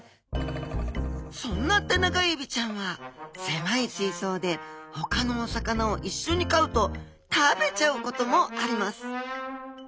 そんなテナガエビちゃんは狭い水槽でほかのお魚を一緒に飼うと食べちゃうこともあります。